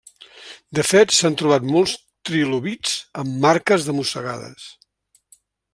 De fet, s'han trobat molts trilobits amb marques de mossegades.